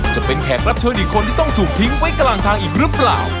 จะเป็นแขกรับเชิญอีกคนที่ต้องถูกทิ้งไว้กลางทางอีกหรือเปล่า